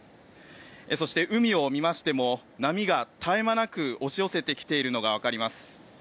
そして、海を見ましても波が、絶え間なく押し寄せてきているのがわかります。